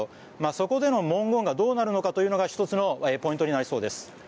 そこでの文言がどうなるのかが１つのポイントとなりそうです。